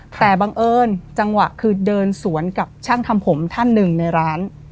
แต่บังเอิญจังหวะคือเดินสวนกับช่างทำผมท่านหนึ่งในร้าน